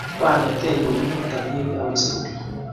Kwanetkei ko u notok ye kiawe sukul